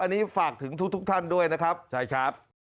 อันนี้ฝากถึงทุกท่านด้วยนะครับใช่ครับ